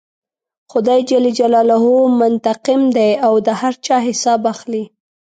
خدای جل جلاله منتقم دی او د هر چا حساب اخلي.